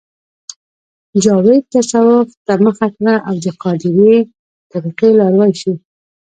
جاوید تصوف ته مخه کړه او د قادرې طریقې لاروی شو